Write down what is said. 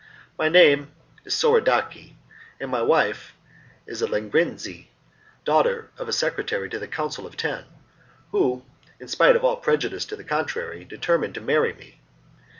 My name is Soradaci, and my wife is a Legrenzi, daughter of a secretary to the Council of Ten, who, in spite of all prejudice to the contrary, determined to marry me.